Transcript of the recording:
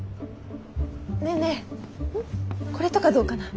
ねえねえこれとかどうかな？